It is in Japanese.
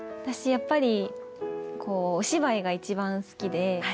私やっぱりこうお芝居が一番好きで。